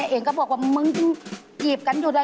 เองก็บอกว่ามึงจีบกันอยู่เลย